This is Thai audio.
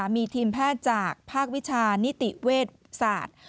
มีทีมแพทย์จากภาควิชานิติเวชศาสตร์